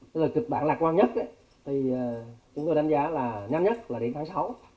tức là trực bản lạc quan nhất chúng tôi đánh giá là nhanh nhất là đến tháng sáu